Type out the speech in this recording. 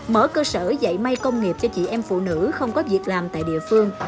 mở cơ sở dạy may công nghiệp cho chị em phụ nữ không có việc làm tại địa phương